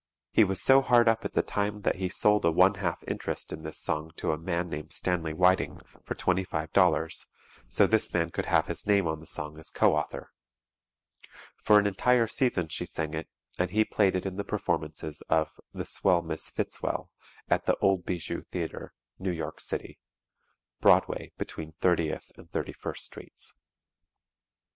He was so hard up at the time that he sold a one half interest in this song to a man named Stanley Whiting for $25.00, so this man could have his name on the song as co author. For an entire season she sang it and he played it in the performances of "The Swell Miss Fitzwell" at the old Bijou Theatre, New York City (Broadway between 30th and 31st Sts.).